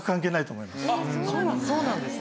そうなんですね。